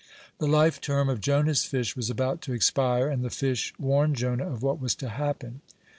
The life term of Jonah's fish was about to expire, and the fish warned Jonah of what was to happen.